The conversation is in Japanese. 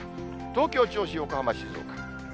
東京、銚子、横浜、静岡。